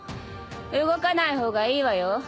動かない方がいいわよ。